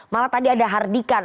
malah tadi ada hardikan